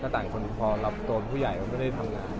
ก็ต่างคนพอตัวผู้ใหญ่ก็ไม่ได้ทำงาน